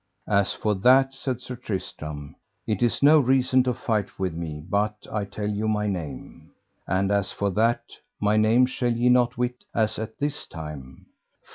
As for that, said Sir Tristram, it is no reason to fight with me but I tell you my name; and as for that my name shall ye not wit as at this time.